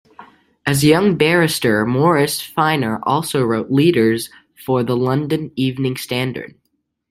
As a young barrister Morris Finer also wrote leaders for the London "Evening Standard".